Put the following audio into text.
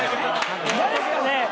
誰っすかね。